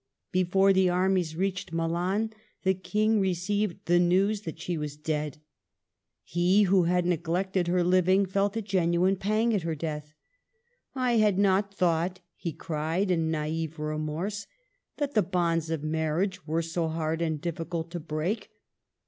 Before the armies reached Milan the King received the news that she was dead. He who had neglected her liv ing, felt a genuine pang at her death. " I had not thought," he cried in naive remorse, " that the bonds of marriage were so hard and difficult to break.